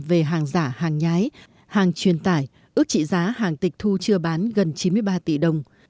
về hàng giả hàng nhái hàng truyền tải ước trị giá hàng tịch thu chưa bán gần chín mươi ba tỷ đồng